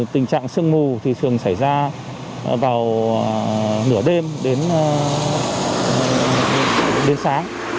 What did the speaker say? tình trạng sương mù thì thường xảy ra vào nửa đêm đến sáng